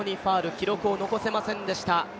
記録は残せませんでした。